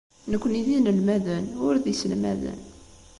Nekkni d inelmaden, ur d iselmaden.